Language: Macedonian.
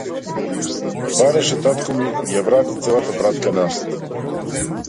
Бараше татко ми ја врати целата пратка назад.